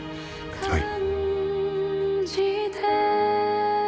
はい。